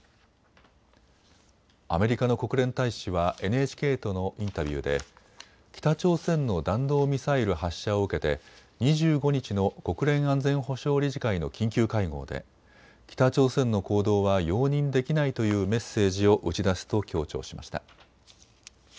アメリカの国連大使はＮＨＫとのインタビューで北朝鮮の弾道ミサイル発射を受けて２５日の国連安全保障理事会の緊急会合で北朝鮮の行動は容認できないというメッセージを打ち出すと強調しました。